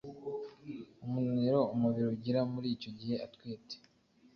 umunaniro umubiri ugira muri icyo gihe atwite,